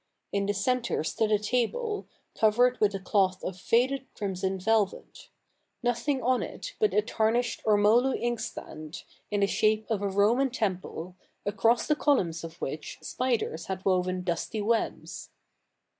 In the centre stood a table, covered with a cloth of faded crimson velvet : nothing on it but a tarnished ormolu inkstand, in the shape of a Roman temple, across the columns of which spiders had woven dust}' webs.